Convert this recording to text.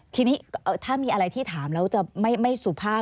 ทีนี้ถ้ามีอะไรที่ถามแล้วจะไม่สุภาพ